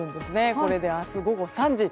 これで明日午後３時。